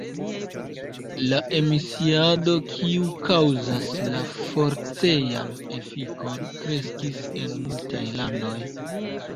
La emisiado kiu kaŭzas la forcejan efikon kreskis en multaj landoj.